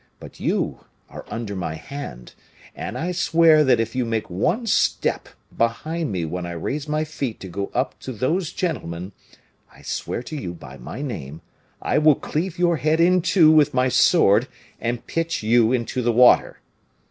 But you are under my hand, and I swear that if you make one step behind me when I raise my feet to go up to those gentlemen, I swear to you by my name, I will cleave your head in two with my sword, and pitch you into the water.